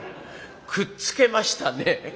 くっつけましたね。